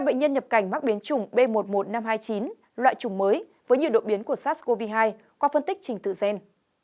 bệnh nhân nhập cảnh mắc biến chủng b một mươi một nghìn năm trăm hai mươi chín loại chủng mới với nhiều độ biến của sars cov hai qua phân tích trình tự gen